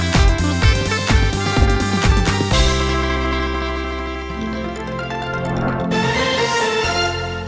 ยัยยังจะใกล้ใจด้วยกัน